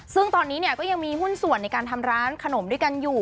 ซึ่งตอนนี้เนี่ยก็ยังมีหุ้นส่วนในการทำร้านขนมด้วยกันอยู่